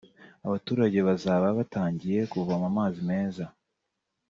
abaturage bazaba batangiye kuvoma amazi meza